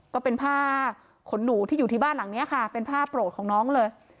ก็เป็นผ้าขนหนูที่อยู่ที่บ้านหลังนี้ค่ะเป็นผ้าโปรดของน้องเลย